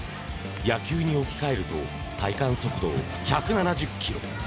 野球に置き換えると体感速度１７０キロ。